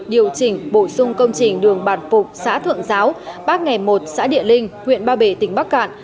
điều chỉnh bổ sung công trình đường bản phục xã thượng giáo bác nghề một xã địa linh huyện ba bể tỉnh bắc cạn